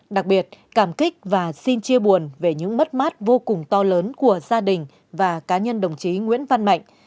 đặc biệt cảm kích và xin chia buồn về những mất mát vô cùng to lớn của gia đình và cá nhân đồng chí nguyễn văn mạnh